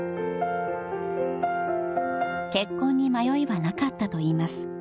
［結婚に迷いはなかったといいます］